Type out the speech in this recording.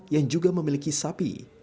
yang juga memiliki sapi